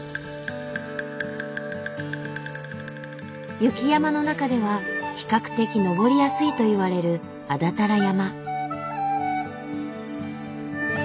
雪山の中では比較的登りやすいといわれる安達太良山。